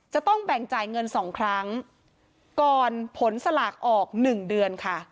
จะต้องแบ่งจ่ายเงินสองครั้งก่อนผลสลากออกหนึ่งเดือนค่ะ